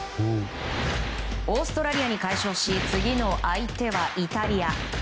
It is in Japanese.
オーストラリアに快勝し次の相手はイタリア。